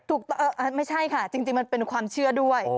ไม่ใช่ค่ะจริงมันเป็นความเชื่อด้วย